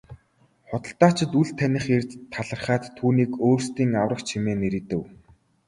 Худалдаачид үл таних эрд талархаад түүнийг өөрсдийн аврагч хэмээн нэрийдэв.